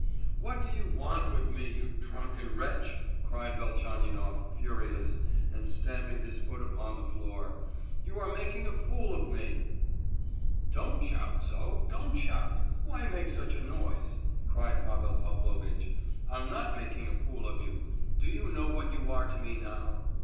"What do you want with me, you drunken wretch?" cried Velchaninoff, furious, and stamping his foot upon the floor; "you are making a fool of me!" "Don't shout so—don't shout! Why make such a noise?" cried Pavel Pavlovitch. "I'm not making a fool of you! Do you know what you are to me now?"